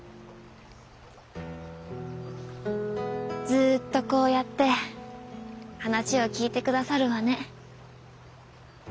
ずっとこうやって話を聞いて下さるわね。